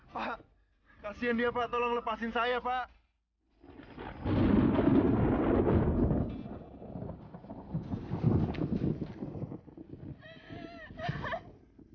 pak kasian dia pak tolong lepasin saya pak